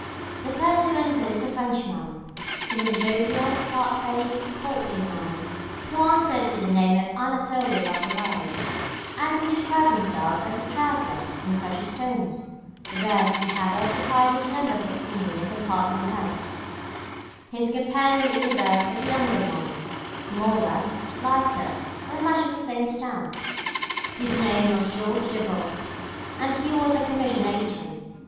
The first who entered was a Frenchman. He was a jovial, fat faced, portly man, who answered to the name of Anatole Lafolay, and who described himself as a traveller in precious stones. The berth he had occupied was No. 13 in compartment f. His companion in the berth was a younger man, smaller, slighter, but of much the same stamp. His name was Jules Devaux, and he was a commission agent.